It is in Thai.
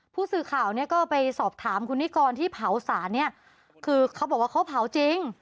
ผู้สื่อข่าวเนี่ยก็ไปสอบถามคุณนิกรที่เผาสารเนี่ยคือเขาบอกว่าเขาเผาจริง